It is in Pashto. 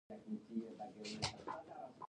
سترې محکمې پرېکړې ننګولې نو ښه ورځ به یې نه لیدله.